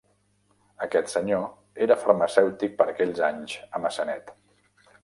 Aquest senyor era farmacèutic per aquells anys a Maçanet.